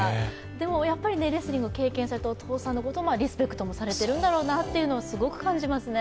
でも、やっぱりレスリングを経験されたお父様のことをリスペクトもされていくんだろうなとすごく感じますね。